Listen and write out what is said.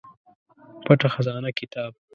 پټه خزانه کتاب